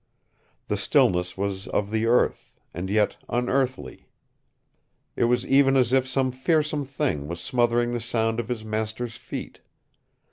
The stillness was of the earth, and yet unearthly. It was even as if some fearsome thing was smothering the sound of his master's feet.